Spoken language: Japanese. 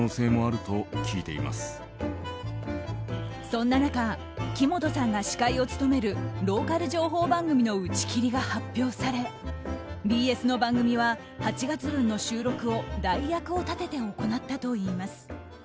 そんな中木本さんが司会を務めるローカル情報番組の打ち切りが発表されＢＳの番組は８月分の収録を代役を立てて行ったといいます。